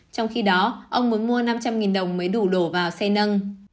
trong khi đó ông muốn mua năm trăm linh đồng mới đủ đổ vào xe nâng